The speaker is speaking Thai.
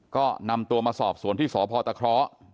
ก็นำตัวมาสอบส่วนที่สทคร